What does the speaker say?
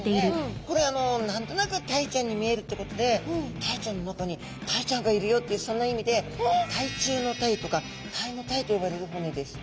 これ何となくタイちゃんに見えるってことでタイちゃんの中にタイちゃんがいるよってそんな意味で鯛中鯛とか鯛の鯛と呼ばれる骨です。